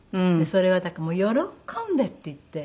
それはだから「もう喜んで！」って言って。